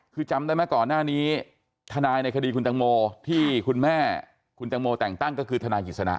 คือจำได้ไหมก่อนหน้านี้ทนายในคดีคุณตังโมที่คุณแม่คุณตังโมแต่งตั้งก็คือทนายกิจสนะ